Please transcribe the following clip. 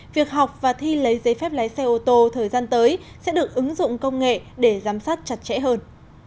việc học và thi lấy giấy phép lái xe ô tô thời gian tới sẽ được ứng dụng công nghệ để giám sát chặt chẽ hơn